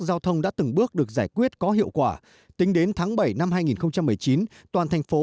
giao thông đã từng bước được giải quyết có hiệu quả tính đến tháng bảy năm hai nghìn một mươi chín toàn thành phố